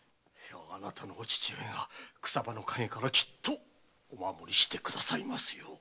あなたのお父上が草葉の陰からきっとお守りしてくださいますよ。